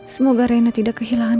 semoga rena tidak kehilangan